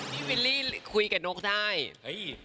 พี่วิลลี่คุยกับนกได้